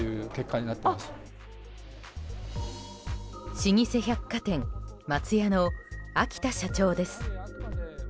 老舗百貨店・松屋の秋田社長です。